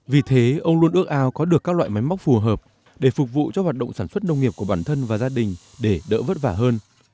vì thế ông luôn ước ao có được các loại máy móc phù hợp để phục vụ cho hoạt động sản xuất nông nghiệp của bản thân và gia đình để đỡ vất vả hơn